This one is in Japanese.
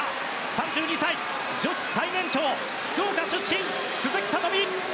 ３２歳、女子最年長福岡出身、鈴木聡美。